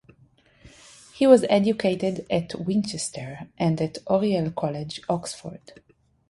He was educated at Winchester and at Oriel College, Oxford.